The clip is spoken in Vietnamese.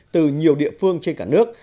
từ nhiều địa phương trên cả nước